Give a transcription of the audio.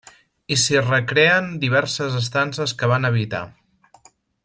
I s'hi recreen diverses estances que van habitar.